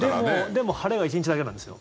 でも晴れは１日だけなんですよ。